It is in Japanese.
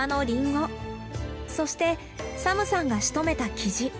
そしてサムさんがしとめたキジ。